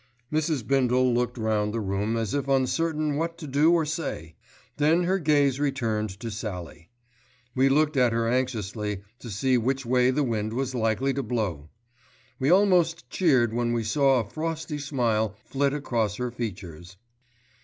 Mrs. Bindle looked round the room as if uncertain what to do or say. Then her gaze returned to Sallie. We looked at her anxiously to see which way the wind was likely to blow. We almost cheered when we saw a frosty smile flit across her features.